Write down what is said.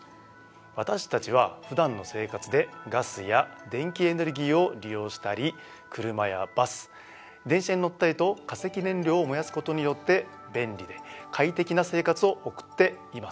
私たちは普段の生活でガスや電気エネルギーを利用したり車やバス電車に乗ったりと化石燃料を燃やすことによって便利で快適な生活を送っています。